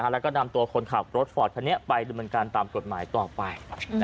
แล้วก็นำตัวคนขับรถฝอดทันนี้ไปด้วยเหมือนกันตามกฎหมายต่อไป